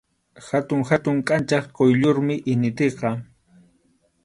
Hatun hatun kʼanchaq quyllurmi initiqa.